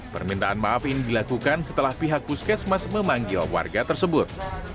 permintaan maaf ini dilakukan setelah pihak puskesmas memanggil warga tersebut